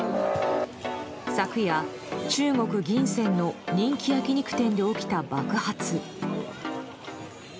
昨夜、中国・銀川の人気焼き肉店で起きた爆発。